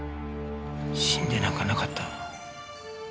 死んでなんかなかった。